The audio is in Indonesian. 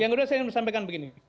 yang kedua saya ingin sampaikan begini